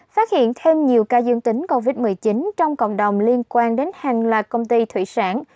phát hiện thêm nhiều ca dương tính covid một mươi chín trong cộng đồng liên quan đến hàng loạt công ty thủy sản